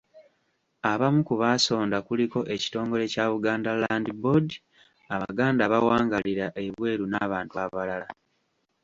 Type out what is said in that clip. Abamu ku baasonda kuliko ekitongole kya Buganda Land Board, abaganda abawangaalira ebweru n'abantu abalala.